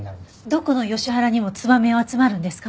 どこのヨシ原にもツバメは集まるんですか？